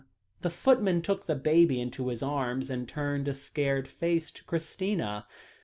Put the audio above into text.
The footman took the baby into his arms, and turned a scared face to Christina.